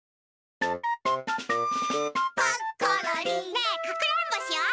ねえかくれんぼしよう。